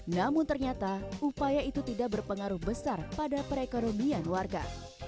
namun ternyata upaya itu tidak berpengaruh besar pada perekonomian warga